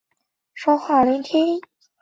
致力于两岸和平统一。